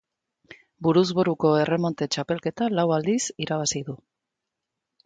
Buruz buruko erremonte txapelketa lau aldiz irabazi du.